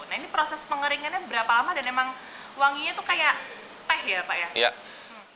nah proses pengeringannya berapa lama dan memang wanginya itu seperti teh ya pak